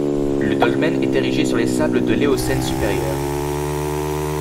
Le dolmen est érigé sur les sables de l'Éocène supérieur.